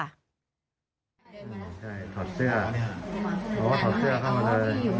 แต่เดินมาละ